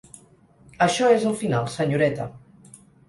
Això és el final, senyoreta.